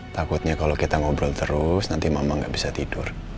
takutnya kalau kita ngobrol terus nanti mama gak bisa tidur